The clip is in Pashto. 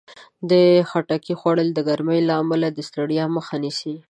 د خټکي خوړل د ګرمۍ له امله د ستړیا مخه نیسي.